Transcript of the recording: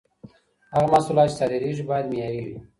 هغه محصولات چي صادرېږي، بايد معياري وي.